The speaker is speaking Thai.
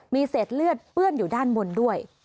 มีเศษเลือดเปื้อนอยู่ด้านบนด้วย